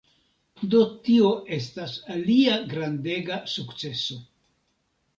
Do tio estas alia grandega sukceso.